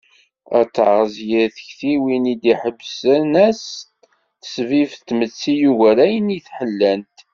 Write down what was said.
Ad terẓ yir tiktiwin d yiḥebbasen i as-tesbib tmetti yugar ayen i d-ḥellant.